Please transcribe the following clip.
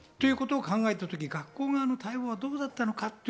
学校側の対応はどうだったのか。